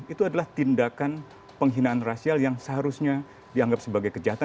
itu adalah tindakan penghinaan rasial yang seharusnya dianggap sebagai kejahatan